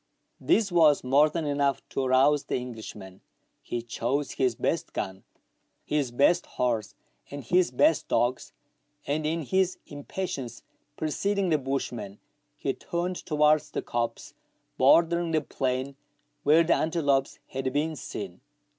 ^ This was more than enough to arouse the Englishman, 150 meridiana; the adventures of ~—■■.. .11, .1.. ■■■» He chose his best gun, his best horse, and his best dogs, and, in his impatience preceding the bushman, he turned towards the copse bordering the plain where the antelopes had been seen.